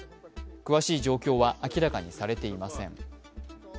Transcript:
詳しい状況は明らかにされていません。